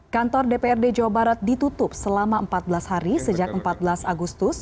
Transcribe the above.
kantor dprd jawa barat ditutup selama empat belas hari sejak empat belas agustus